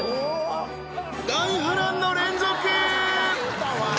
大波乱の連続！